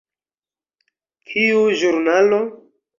Kiu ĵurnalo?